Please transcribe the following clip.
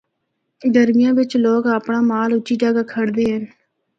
گرمیاں بچ لوگ اپنڑا مال اُچی جگہ کھڑدے ہن۔